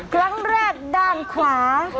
ครั้งแรกด้านขวา